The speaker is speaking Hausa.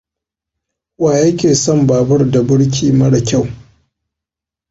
Wa yake son babur da burki mara kyau?